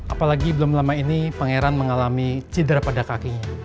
apalagi belum lama ini pangeran mengalami cedera pada kakinya